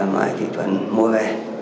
mãi thị thuận mua về